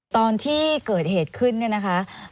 ตอนที่เกิดเหตุขึ้นเนี่ยนะคะ